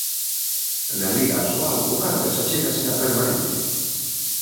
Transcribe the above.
Na Liga Asobal, o Cangas achégase á permanencia.